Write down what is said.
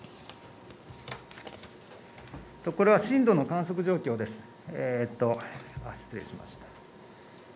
これは震度の観測状況です。